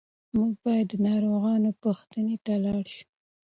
موږ باید د ناروغانو پوښتنې ته لاړ شو.